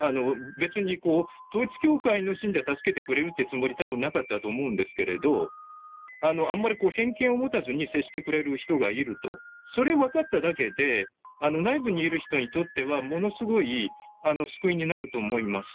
別に統一教会の信者を助けてくれるってつもり、たぶんなかったと思うんですけれど、あんまりこう、偏見を持たずに接してくれる人がいると、それ分かっただけで、内部にいる人にとっては、ものすごい救いになると思います。